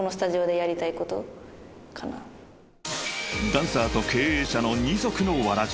［ダンサーと経営者の二足のわらじ］